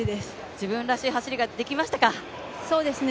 自分らしい走りができましたか？